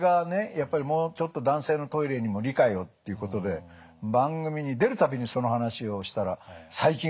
やっぱりもうちょっと男性のトイレにも理解をということで番組に出る度にその話をしたら最近増えてきましたよね。